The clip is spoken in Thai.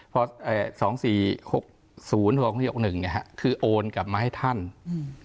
เพราะเอ่อสองสี่หกศูนย์หกหนึ่งนะฮะคือโอนกลับมาให้ท่านอืม